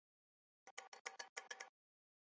高加力为该县之首府。